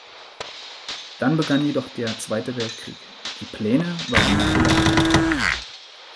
Dann begann jedoch der Zweite Weltkrieg; die Pläne waren Makulatur.